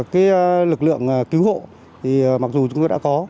cái lực lượng cứu hộ thì mặc dù chúng tôi đã có